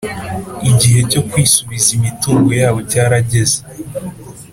igihe cyo kwisubiza imitungo yabo cyarageze